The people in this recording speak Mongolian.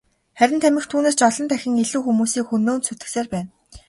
Харин тамхи түүнээс ч олон дахин илүү хүмүүсийг хөнөөн сүйтгэсээр байна.